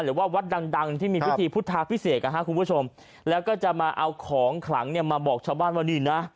หรือว่าวัดดังที่มีพิธีพุทธาพิเศษแล้วก็จะมาเอาของขลังมาบอกชาวบ้านว่านี่นะ